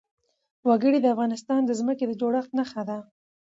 وګړي د افغانستان د ځمکې د جوړښت نښه ده.